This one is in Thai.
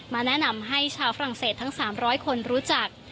แนะนำให้ชาวฝรั่งเศสทั้ง๓๐๐คนรู้จัก